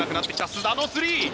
須田のスリー。